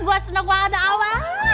gue seneng banget sama ama